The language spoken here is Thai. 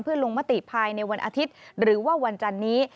เพื่อลงมติภายในวันอาทิตย์หรือว่าวันจันนี้